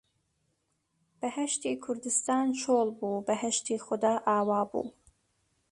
بەهەشتی کوردستان چۆڵ بوو، بەهەشتی خودا ئاوا بوو